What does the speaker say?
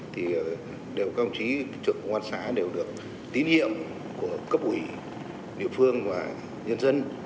thì đều các ông chí trưởng công an xã đều được tín hiệu của cấp ủy địa phương và nhân dân